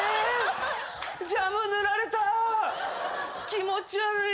気持ち悪い。